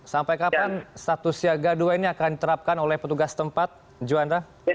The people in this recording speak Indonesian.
sampai kapan status siaga dua ini akan diterapkan oleh petugas tempat juanda